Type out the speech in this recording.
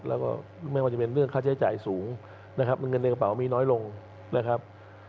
แล้วก็ไม่ว่าจะเป็นเรื่องค่าใช้จ่ายสูงนะครับเงินในกระเป๋ามีน้อยลงนะครับ